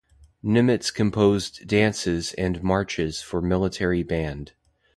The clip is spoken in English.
Nemetz composed dances and marches for military band.